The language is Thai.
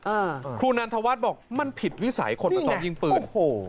อ่าครูนันทวัสบอกมันผิดวิสัยคนมาซ้องยิงปืนนี่แหละโอ้โห